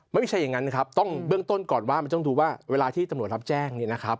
ไม่ใช่อย่างนั้นนะครับต้องเบื้องต้นก่อนว่ามันต้องดูว่าเวลาที่ตำรวจรับแจ้งเนี่ยนะครับ